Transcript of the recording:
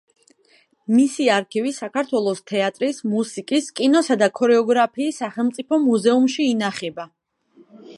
მისი არქივი საქართველოს თეატრის, მუსიკის, კინოსა და ქორეოგრაფიის სახელმწიფო მუზეუმში ინახება.